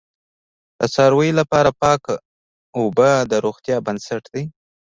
د څارویو لپاره پاک اوبه د روغتیا بنسټ دی.